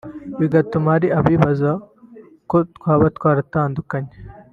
bigatuma hari abibaza ko twaba twaratandukanye